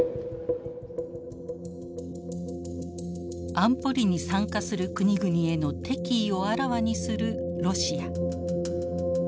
安保理に参加する国々への敵意をあらわにするロシア。